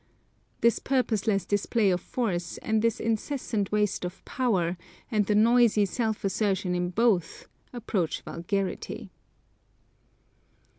This purposeless display of force, and this incessant waste of power, and the noisy self assertion in both, approach vulgarity!